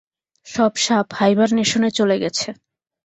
সব সাপ হাইবারনেশনে চলে গেছে।